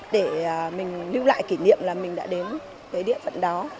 để mình lưu lại kỷ niệm là mình đã đến cái địa phận đó